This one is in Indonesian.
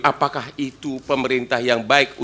apakah itu pemerintah yang baik untuk